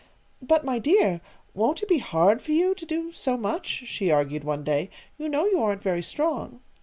"But, my dear, won't it be hard for you, to do so much?" she argued one day. "You know you aren't very strong."